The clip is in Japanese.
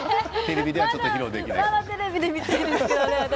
まだテレビで見たいですけどね。